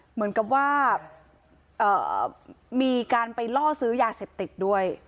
เหมือนกับว่ามีการไปล่อซื้อยาเสพติดด้วย